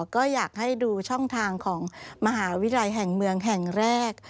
ก็อยากให้ดูช่องทางของมหาวิทยาลัยแห่งเมืองแห่งแรก